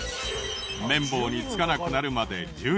綿棒に付かなくなるまで１２分。